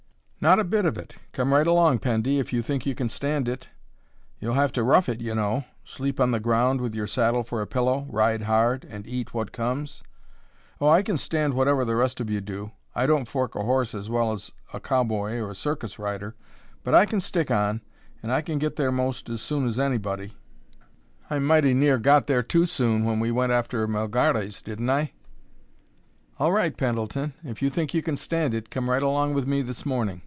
"Not a bit of it! Come right along, Pendy, if you think you can stand it. You'll have to rough it, you know; sleep on the ground with your saddle for a pillow, ride hard, and eat what comes." "Oh, I can stand whatever the rest of you do. I don't fork a horse as well as a cowboy or a circus rider, but I can stick on, and I can get there 'most as soon as anybody I mighty near got there too soon when we went after Melgares, didn't I?" "All right, Pendleton! If you think you can stand it, come right along with me this morning.